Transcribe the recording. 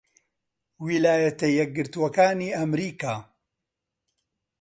ویلایەتە یەکگرتووەکانی ئەمریکا